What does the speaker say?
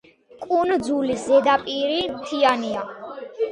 კუნძულის ზედაპირი მთიანია.